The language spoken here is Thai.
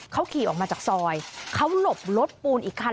เขาขี่ออกมาจากซอยเขาหลบรถปูนอีกคัน